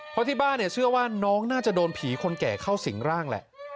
เพราะที่บ้านเชื่อว่าน้องน่าจะโดนผีคนแก่เข้าสิงร่างแหละ